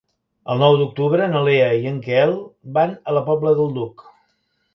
El nou d'octubre na Lea i en Quel van a la Pobla del Duc.